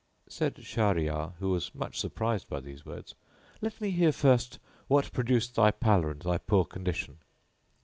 Said Shahryar, who was much surprised by these words, "Let me hear first what produced thy pallor and thy poor condition."